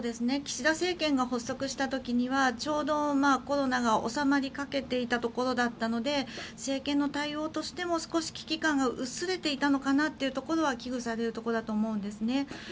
岸田政権が発足した時にはちょうどコロナが収まりかけていたところだったので政権の対応としても少し危機感が薄れていたのかなというのは危惧されるところだと思うんです。